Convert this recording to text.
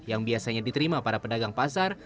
yang biasanya diterima para pedagang pasar